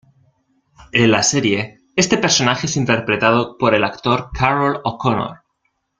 En la serie, este personaje es interpretado por el actor Carroll O'Connor.